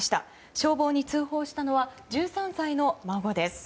消防に通報したのは１３歳の孫です。